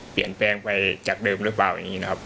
เปลี่ยนแปลงไปจากเดิมหรือเปล่า